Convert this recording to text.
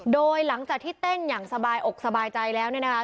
โดยหลังจากที่เต้นอย่างสบายอกสบายใจแล้วเนี่ยนะคะ